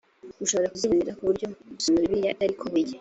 ushobora kuzibonera ko burya gusoma bibiliya atari ko buri gihe